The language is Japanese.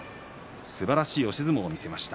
すばらしい押し相撲を見せました。